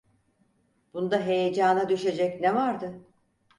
Bunda heyecana düşecek ne vardı?